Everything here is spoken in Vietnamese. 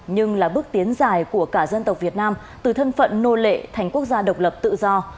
nhưng là bước tiến dài của cả dân tộc việt nam từ thân phận nô lệ thành quốc gia độc lập tự do